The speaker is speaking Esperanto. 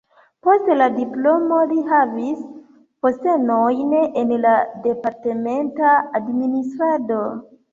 Post la diplomo li havis postenojn en la departementa administrado.